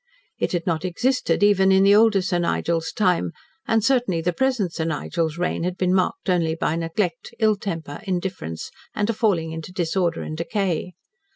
It had not existed even in the older Sir Nigel's time, and certainly the present Sir Nigel's reign had been marked only by neglect, ill temper, indifference, and a falling into disorder and decay.